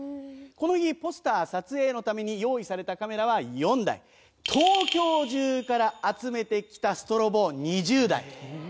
この日ポスター撮影のために用意されたカメラは４台東京中から集めてきたストロボ２０台。